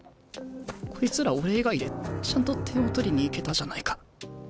こいつら俺以外でちゃんと点を取りに行けたじゃないか。